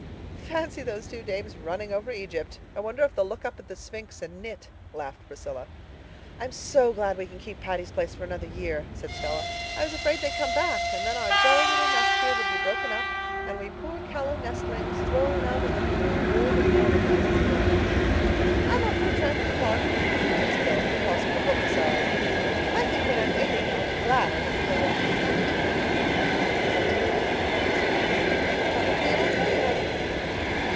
"Fancy those two dames 'running over Egypt'! I wonder if they'll look up at the Sphinx and knit," laughed Priscilla. "I'm so glad we can keep Patty's Place for another year," said Stella. "I was afraid they'd come back. And then our jolly little nest here would be broken up—and we poor callow nestlings thrown out on the cruel world of boardinghouses again." "I'm off for a tramp in the park," announced Phil, tossing her book aside. "I think when I am eighty I'll be glad I went for a walk in the park tonight." "What do you mean?" asked Anne. "Come with me and I'll tell you, honey."